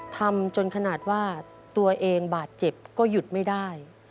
ทำจนขนาดว่าตัวเองบาดเจ็บก็หยุดไม่ได้